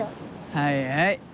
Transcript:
はいはい。